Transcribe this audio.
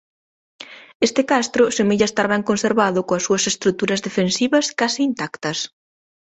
Este castro semella estar ben conservado coas súas estruturas defensivas case intactas.